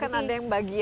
kan ada yang bagian